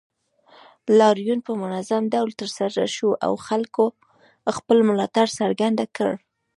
لاریون په منظم ډول ترسره شو او خلکو خپل ملاتړ څرګند کړ